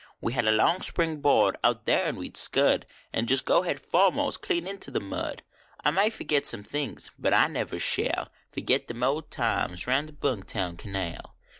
We had a long spring board out there n we d scud An jist go head foremost clean inter the mud. I may fergit some things, but I never shall Fergit them old times round the Bung Town Canal.